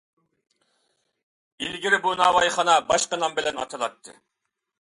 ئىلگىرى بۇ ناۋايخانا باشقا نام بىلەن ئاتىلاتتى.